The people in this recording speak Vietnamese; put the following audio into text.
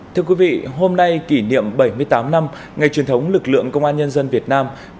thưa quý vị hôm nay kỷ niệm bảy mươi tám năm ngày truyền thống lực lượng công an nhân dân việt nam